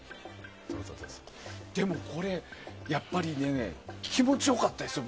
でもこれ、やっぱり気持ち良かったですよ